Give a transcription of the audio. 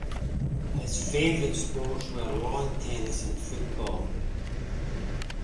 His favourite sports were lawn tennis and football.